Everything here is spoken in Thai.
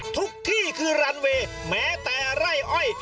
ทุกที่คือรันเวย์แม้แต่ไร่อ้อย